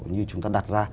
như chúng ta đặt ra